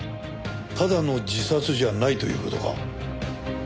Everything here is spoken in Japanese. ただの自殺じゃないという事か？